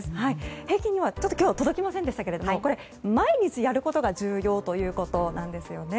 平均にはちょっと届きませんでしたが毎日やることが重要ということです。